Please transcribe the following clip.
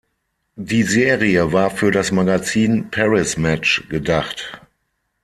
Die Serie war für das Magazin "Paris Match" gedacht.